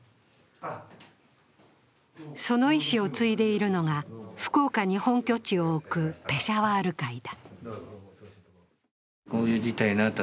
その遺志をついでいるのが、福岡に本拠地を置くペシャワール会だ。